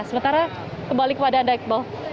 sementara kembali kepada anda iqbal